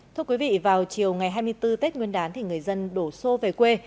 thưa quý vị vào chiều ngày hai mươi bốn tết nguyên đán thì người dân đổ xô về quê